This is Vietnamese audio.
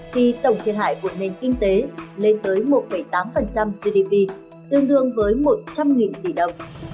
thì tổng thiệt hại của nền kinh tế lên tới một tám gdp tương đương với một trăm linh tỷ đồng